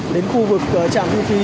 đến khu vực trạm thu phí